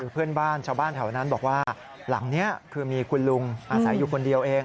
เพื่อนบ้านชาวบ้านแถวนั้นบอกว่าหลังนี้คือมีคุณลุงอาศัยอยู่คนเดียวเอง